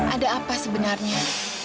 ada apa sebenarnya